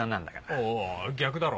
おいおい逆だろ。